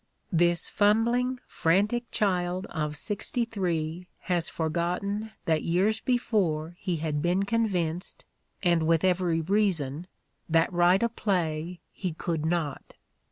This fumbling, frantic child of sixty three has forgotten that years before he had been convinced, and with every reason, that write a play he could not.